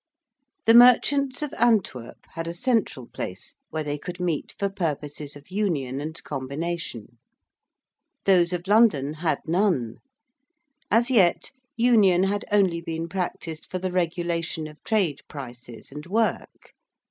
The merchants of Antwerp had a central place where they could meet for purposes of union and combination. Those of London had none. As yet union had only been practised for the regulation of trade prices and work.